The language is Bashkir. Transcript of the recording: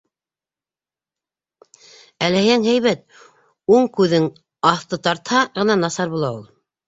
Әләйһәң, һәйбәт, уң күҙҙең аҫты тартһа ғына насар була ул.